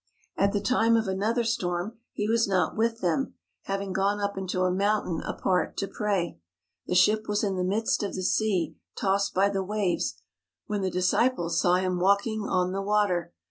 At the time of another storm He was not with them, having gone up into a mountain apart to pray. The ship was in the midst of the sea, tossed by the waves, when the disciples saw Him walking on the water.